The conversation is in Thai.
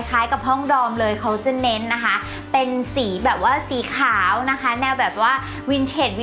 กับห้องดอมเลยเขาจะเน้นนะคะเป็นสีแบบว่าสีขาวนะคะแนวแบบว่าวินเทน